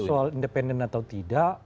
soal independen atau tidak